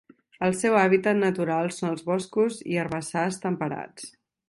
El seu hàbitat natural són els boscos i herbassars temperats.